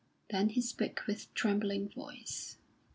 Then he spoke with trembling voice.